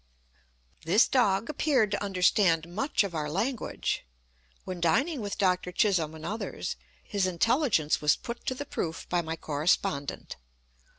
This dog appeared to understand much of our language. When dining with Dr. Chisholm and others, his intelligence was put to the proof by my correspondent.